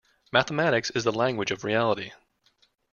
Mathematics is the language of reality.